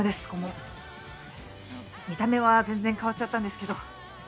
見た目は全然変わっちゃったんですけど